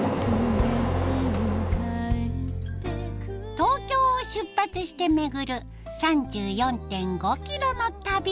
東京を出発して巡る３４．５キロの旅。